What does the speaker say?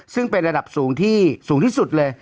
ซึ่งเป็นระดับสูงที่สูงที่สุดเลย